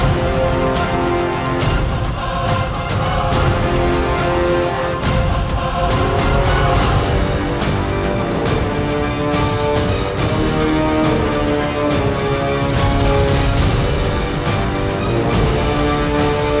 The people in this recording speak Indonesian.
terima kematianmu kian santang